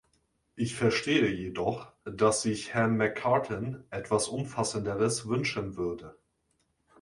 Ich verstehe jedoch, dass sich Herr McCartin etwas Umfassenderes wünschen würde.